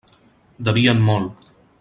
Devien molt.